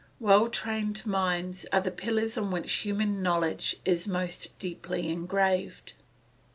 Well trained minds are the pillars on which human knowledge is most deeply engraved.